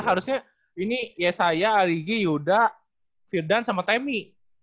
harusnya ini yesaya aligi yuda vildan sama temi